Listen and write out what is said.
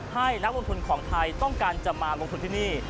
ให้นักลงทุนของไทยต้องการจะมาลงทุนที่นี่